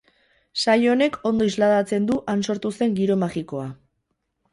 Saio honek ondo isladatzen du han sortu zen giro magikoa.